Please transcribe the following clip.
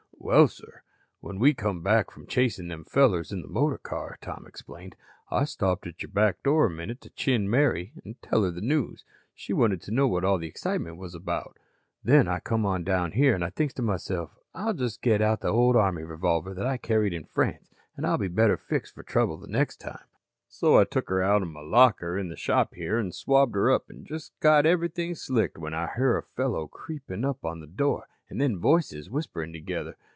"Well, sir, when we come back from chasin' them fellers in the motor car," Tom explained, "I stopped at your back door a minute to chin Mary an' tell her the news. She wanted to know what all the excitement was about. "Then I come on down here, an' thinks I to myself: 'I'll just get out the old army revolver that I carried in France an' I'll be better fixed for trouble the next time.' So I took 'er out of my locker in the shop here an' swabbed her up an' just got everything slicked when I hear a fellow creeping up to the door an' then voices whisperin' together.